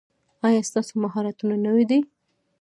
ایا ستاسو مهارتونه نوي دي؟